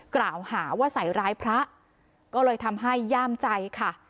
กล่าวหาว่าใส่ร้ายพระก็เลยทำให้ย่ามใจค่ะ